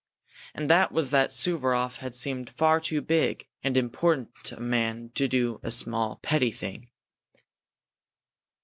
And that was that Suvaroff had seemed far too big and important a man to do a small, petty thing.